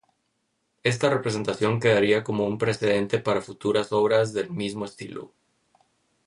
Esta representación quedaría como un precedente para futuras obras del mismo estilo.